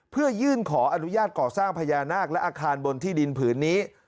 เพื่อยื่นขออนุญาตก่อสร้างพญานาคและอาคารบนที่ดินผืนนี้